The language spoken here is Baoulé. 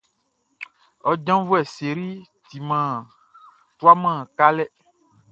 Ɔ janvuɛ Sery tuaman kalɛ.